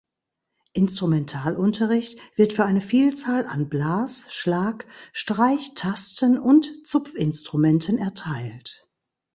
Instrumentalunterricht wird für eine Vielzahl an Blas-, Schlag-, Streich-, Tasten- und Zupfinstrumenten erteilt.